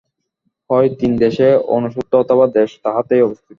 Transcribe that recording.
হয় তিনি দেশে অনুস্যূত অথবা দেশ তাঁহাতেই অবস্থিত।